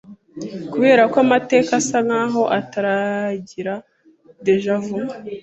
Kuberako amateka asa nkaho atarangira déjà vu